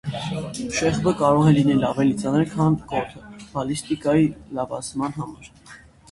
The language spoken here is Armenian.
Շեղբը կարող է լինել ավելի ծանր, քան կոթը բալիստիկայի լավացման համար։